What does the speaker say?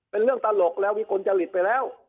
เป็นเรื่องตลกแล้วมีคนจะหลีดไปแล้ว